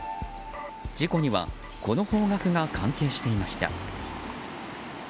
事故にはこの方角が関係していました。